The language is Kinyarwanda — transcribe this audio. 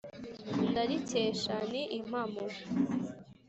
Ndarikesha ni impamo